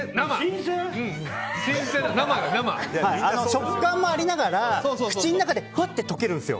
食感もありながら口の中でふわっと溶けるんです。